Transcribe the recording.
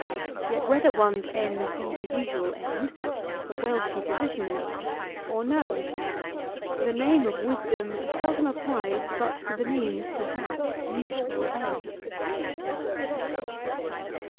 Yet whether one's end be the usual end a wealthy position in life or no, the name of wisdom is seldom applied but to the means to that usual end.